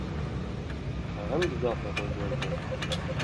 Tag‘in buzoqni qo‘yberdi.